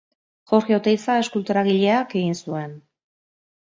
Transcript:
Jorge Oteiza eskulturagileak egin zuen.